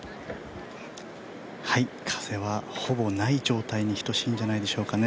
風はほぼない状態に等しいんじゃないでしょうかね。